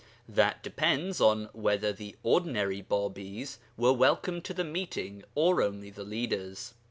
That depends on whether the ordinary Bābīs were welcomed to the Meeting or only the leaders.